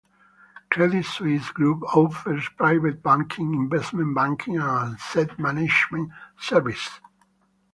Credit Suisse Group offers private banking, investment banking and asset management services.